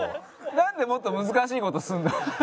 なんでもっと難しい事するの？